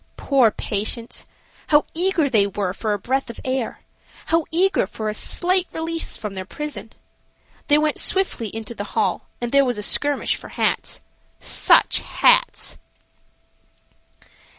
Poor patients! How eager they were for a breath of air; how eager for a slight release from their prison. They went swiftly into the hall and there was a skirmish for hats. Such hats!